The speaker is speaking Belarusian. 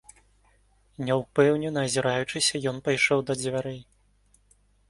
Няўпэўнена азіраючыся, ён пайшоў да дзвярэй.